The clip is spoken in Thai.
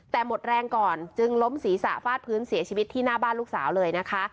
แต่หมดแรงก่อนจึงล้มศีรษะฟาดพื้นเสียชีวิตที่หน้าบ้านลูกสาวเลยนะคะ